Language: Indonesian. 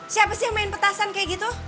siapa sih yang main petasan kayak gitu